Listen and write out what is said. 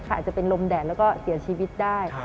อาจจะเป็นลมแดดแล้วก็เสียชีวิตได้